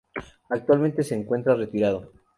Actualmente se encuentra retirado.